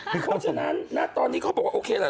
เพราะฉะนั้นณตอนนี้เขาบอกว่าโอเคแหละ